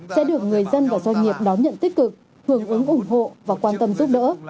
sẽ được người dân và doanh nghiệp đón nhận tích cực hưởng ứng ủng hộ và quan tâm giúp đỡ